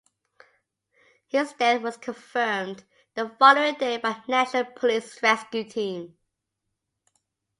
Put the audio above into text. His death was confirmed the following day by a national police rescue team.